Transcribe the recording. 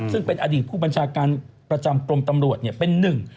ซึ่งเป็นอดีตผู้บัญชาการประจำกรมตำรวจเนี่ยเป็นหนึ่ง